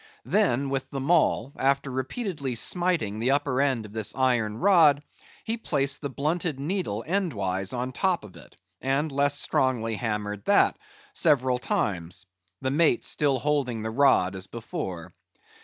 Then, with the maul, after repeatedly smiting the upper end of this iron rod, he placed the blunted needle endwise on the top of it, and less strongly hammered that, several times, the mate still holding the rod as before.